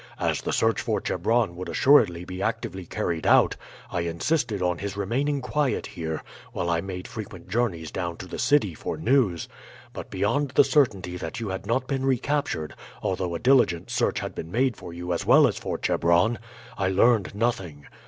As the search for Chebron would assuredly be actively carried out, I insisted on his remaining quiet here while I made frequent journeys down to the city for news; but beyond the certainty that you had not been recaptured, although a diligent search had been made for you as well as for Chebron, I learned nothing.